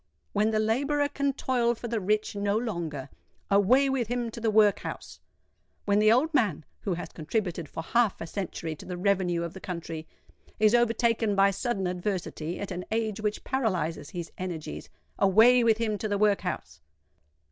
When the labourer can toil for the rich no longer, away with him to the workhouse! When the old man, who has contributed for half a century to the revenue of the country, is overtaken by sudden adversity at an age which paralyses his energies, away with him to the workhouse!